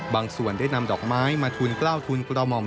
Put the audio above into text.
ส่วนได้นำดอกไม้มาทุนกล้าวทุนกระหม่อม